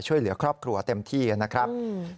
ช่วยเหลือครอบครัวเต็มที่นะครับ